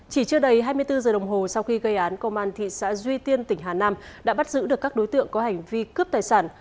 chỉ chưa đầy hai mươi bốn giờ đồng hồ sau khi gây án công an thị xã duy tiên tỉnh hà nam đã bắt giữ được các đối tượng có hành vi cướp tài sản